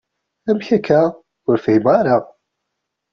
Amek akka? Ur fhimeɣ ara.